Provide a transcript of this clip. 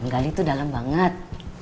gali tuh dalam banget